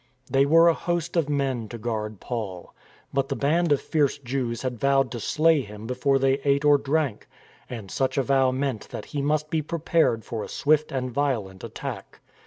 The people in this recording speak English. They were a host of men to guard Paul. But the band of fierce Jews had vowed to slay him before they ate or drank; and such a vow meant that he must be prepared for a swift and violent attack.